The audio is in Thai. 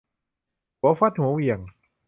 หัวฟัดหัวเหวี่ยง